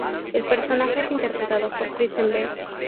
El personaje es interpretado por Kristen Bell.